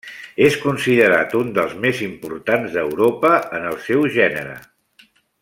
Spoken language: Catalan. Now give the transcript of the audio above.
És considerat un dels més importants d'Europa en el seu gènere.